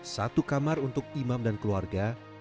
satu kamar untuk imam dan keluarga